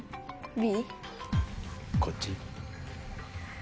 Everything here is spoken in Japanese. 「Ｂ」！